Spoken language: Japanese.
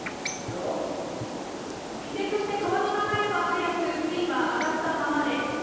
依然として川の流れは速く水位は上がったままです。